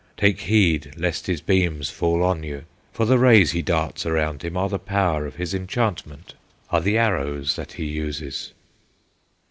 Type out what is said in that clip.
Take heed lest his beams fall on you, For the rays he darts around him Are the power of his enchantment, Are the arrows that he uses.